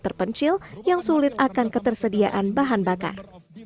terpencil yang sulit akan ketersediaan bahan bakar